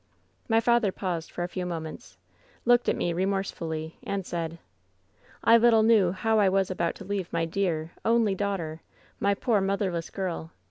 "My father paused for a few moments, looked at me remorsefully, and said: " 'I little knew how I was about to leave my dear, only daughter; my poor, motherless girl!